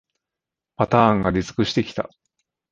パターンが出尽くしてきた